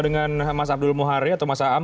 dengan mas abdul muharri atau mas am